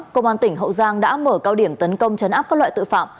công an tỉnh hậu giang đã mở cao điểm tấn công chấn áp các loại tội phạm